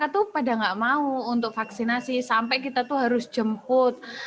kami tidak mau untuk vaksinasi sampai kita harus jemput